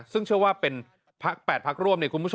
ซึ่งเชื่อว่าเป็น๘พักร่วม